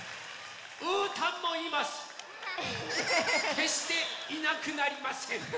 けっしていなくなりません。